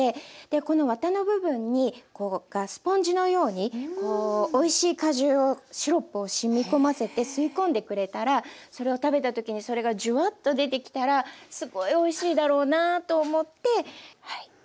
このワタの部分にスポンジのようにこうおいしい果汁をシロップをしみ込ませて吸い込んでくれたらそれを食べた時にそれがジュワッと出てきたらすごいおいしいだろうなと思ってはい。